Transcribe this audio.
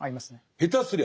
下手すりゃ